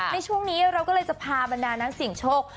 ในช่วงนี้เราก็เลยจะพาบรรดานักเสี่ยงโชค